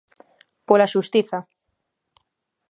Pola xustiza.